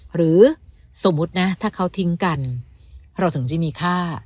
หรือสมมุตินะถ้าเขาทิ้งกันเราถึงจะมีค่า